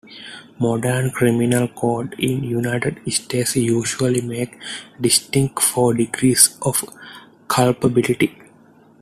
Modern criminal codes in the United States usually make distinct four degrees of culpability.